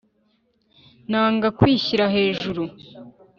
Nanga kwishyira hejuru